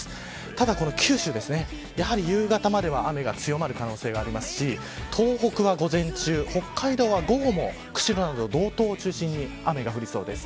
ただこの九州ですねやはり夕方までは、雨が強まる可能性がありますし東北は午前中、北海道は午後も釧路など道東を中心に雨が降りそうです。